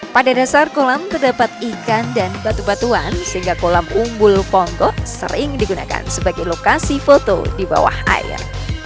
pada dasar kolam terdapat ikan dan batu batuan sehingga kolam umbul ponggok sering digunakan sebagai lokasi foto di bawah air